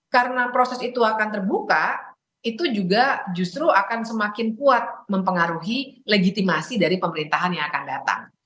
karena proses itu akan terbuka itu juga justru akan semakin kuat mempengaruhi legitimasi dari pemerintahan yang akan datang